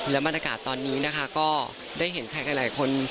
และบรรยากาศตอนนี้นะคะก็ได้เห็นใครหลายคน